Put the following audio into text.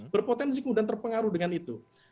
berpotensi kemudian terpengaruh dengan itu